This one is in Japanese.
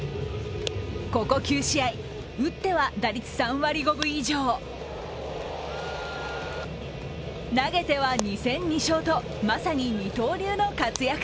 ここ９試合、打っては打率３割５分以上、投げては２戦２勝とまさに二刀流の活躍。